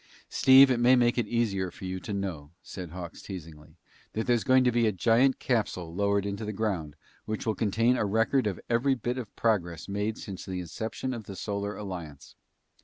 "Steve, it may make it easier for you to know," said Hawks teasingly, "that there's going to be a giant capsule lowered into the ground which will contain a record of every bit of progress made since the inception of the Solar Alliance.